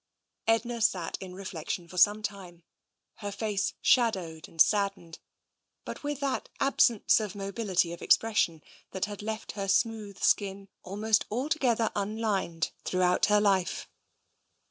Edna sat in reflection for some time, her face shad owed and saddened, but with that absence of mobility of expression that had left her smooth skin almost al together unlined throughout her life.